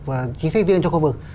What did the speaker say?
và chính sách riêng cho khu vực